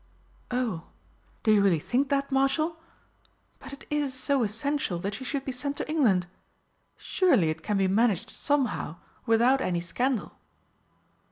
"Oh, do you really think that, Marshal? But it is so essential that she should be sent to England! Surely it can be managed somehow without any scandal?"